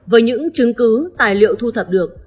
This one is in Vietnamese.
với những chứng cứ tài liệu thu thập được